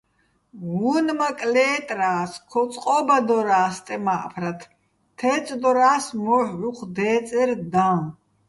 უ̂ნმაკ ლე́ტრა́ს, ქო წყო́ბადორა́ს სტემა́ჸფრათ, თე́წდორა́ს მოჰ̦ უ̂ხ დე́წერ დაჼ.